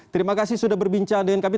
terima kasih sudah berbincang dengan kami